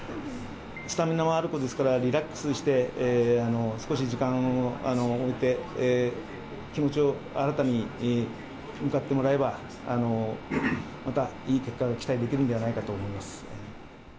スタミナはある子ですから、リラックスして、少し時間を置いて、気持ちを新たに、向かってもらえば、またいい結果が期待できるんではないかと思います。